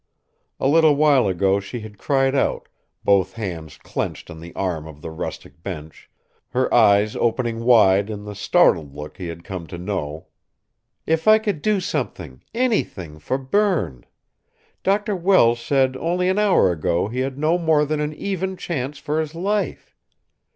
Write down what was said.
A little while ago she had cried out, both hands clenched on the arm of the rustic bench, her eyes opening wide in the startled look he had come to know: "If I could do something, anything, for Berne! Dr. Welles said only an hour ago he had no more than an even chance for his life.